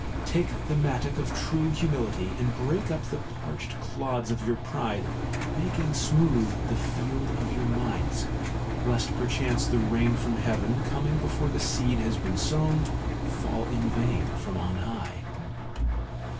Take the mattock of true humility, and break up the parched clods of your pride, making smooth the field of your minds, lest perchance the rain from heaven, coming before the seed has been sown, fall in vain from on high.